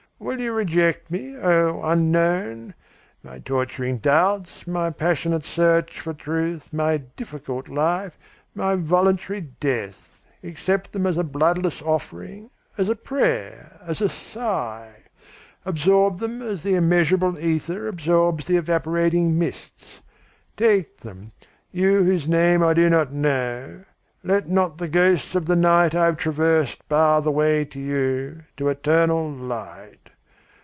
Will you reject me, O Unknown? My torturing doubts, my passionate search for truth, my difficult life, my voluntary death accept them as a bloodless offering, as a prayer, as a sigh! Absorb them as the immeasurable ether absorbs the evaporating mists! Take them, you whose name I do not know, let not the ghosts of the night I have traversed bar the way to you, to eternal light!